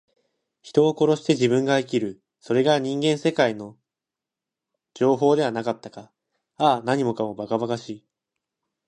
人を殺して自分が生きる。それが人間世界の定法ではなかったか。ああ、何もかも、ばかばかしい。